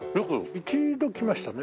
一度来ましたね